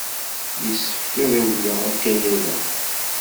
Yessefk ad d-awyeɣ akayad-a.